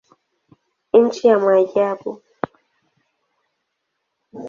Nchi ya maajabu.